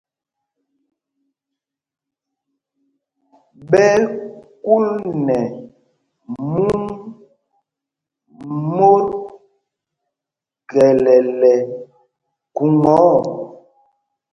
Ɓɛ́ ɛ́ kúl nɛ mûŋ mot gɛlɛlɛ khuŋa ɔ.